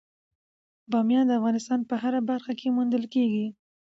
بامیان د افغانستان په هره برخه کې موندل کېږي.